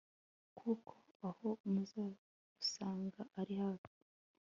kuko aho muzabusanga ari hafi